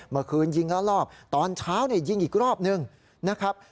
เมื่อคืนยิงละรอบตอนเช้าเนี่ยยิงอีกรอบนึงนะครับ